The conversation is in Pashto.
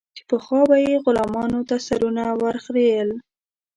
چې پخوا به یې غلامانو ته سرونه ور خرئېل.